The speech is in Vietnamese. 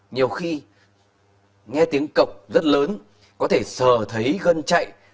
nhiều khi nghe tiếng cọc rất lớn có thể sờ thấy gân chạy